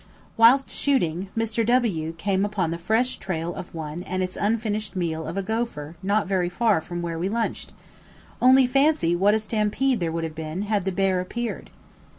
Whilst shooting, Mr. W came upon the fresh trail of one and its unfinished meal of a gophir not very far from where we lunched; only fancy what a stampede there would have been had the bear appeared.